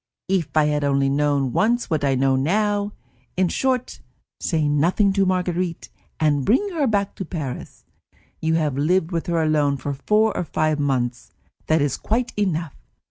If I had only known once what I know now! In short, say nothing to Marguerite, and bring her back to Paris. You have lived with her alone for four or five months; that is quite enough.